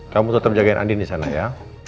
kamu tetap jagain andin di sana ya